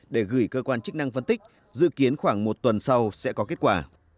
để gửi cơ quan chức năng phân tích dự kiến khoảng một tuần sau sẽ có kết quả